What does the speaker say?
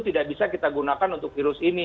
tidak bisa kita gunakan untuk virus ini